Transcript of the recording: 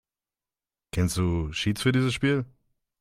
Kennst du Cheats für dieses Spiel?